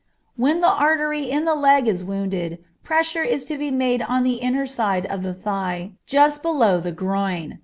When the artery in the leg is wounded, pressure is to be made on the inner side of the thigh, just below the groin.